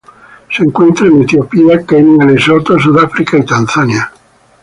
Se encuentra en Etiopía, Kenia Lesoto, Sudáfrica y Tanzania.